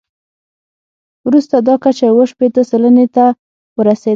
وروسته دا کچه اووه شپېته سلنې ته ورسېده.